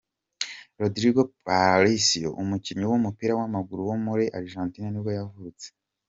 Rodrigo Palacio, umukinnyi w’umupira w’amaguru wo muri Argentine nibwo yavutse.